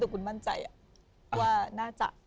แต่คุณมั่นใจว่าน่าจะ